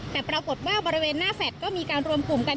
แต่ปรากฏว่าบริเวณหน้าแฟลตก็มีการรวมกลุ่มกัน